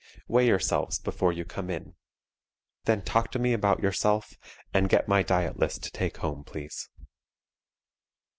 Weigh yourselves before you come in. Then talk to me about yourself and get my diet list to take home, please.